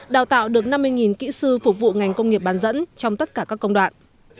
đào tạo được năm mươi kỹ sư phục vụ ngành công nghiệp bán dẫn trong tất cả các công đoạn